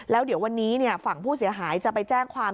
แล้วเดี๋ยววันนี้ฝั่งผู้เสียหายจะไปแจ้งความ